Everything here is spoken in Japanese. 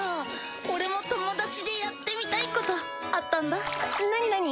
俺も友達でやってみたいことあったんだ何なに？